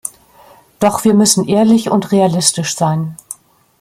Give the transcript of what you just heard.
Doch wir müssen ehrlich und realistisch sein.